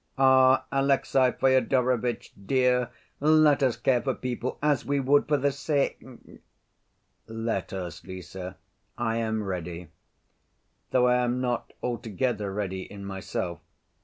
"Ah, Alexey Fyodorovitch, dear, let us care for people as we would for the sick!" "Let us, Lise; I am ready. Though I am not altogether ready in myself.